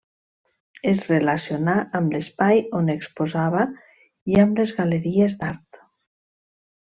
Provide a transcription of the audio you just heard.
Es relacionà amb l'espai on exposava i amb les galeries d'art.